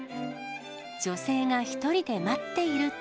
女性が１人で待っていると。